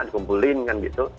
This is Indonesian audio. dikumpulin kan gitu